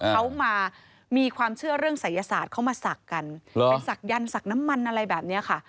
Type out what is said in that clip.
เขามามีความเชื่อเรื่องศัยศาสตร์เขามาศักดิ์กันเป็นศักดันศักดิ์น้ำมันอะไรแบบนี้ค่ะ